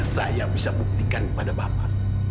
saya bisa buktikan kepada bapak